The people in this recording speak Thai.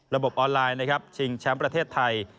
ระบบออนไลน์ชิงแชมป์ประเทศไทย